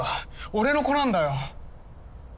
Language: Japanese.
俺の子なんだよ。